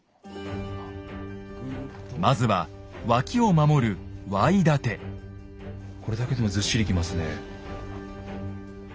まずは脇を守るこれだけでもずっしりきますね。